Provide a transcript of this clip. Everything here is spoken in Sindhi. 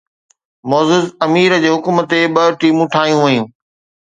معزز امير جي حڪم تي ٻه ٽيمون ٺاهيون ويون.